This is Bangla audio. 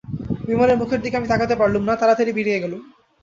বিমলের মুখের দিকে আমি তাকাতে পারলুম না, তাড়াতাড়ি বেরিয়ে গেলুম।